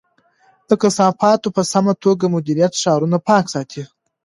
د کثافاتو په سمه توګه مدیریت ښارونه پاک ساتي.